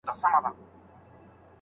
- سید نورالدین، شاعر.